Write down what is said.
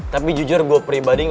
tapi jujur gue pribadi gak pernah nanya